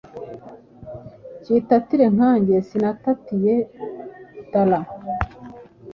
Kitatire nkanjye sinatatiye talent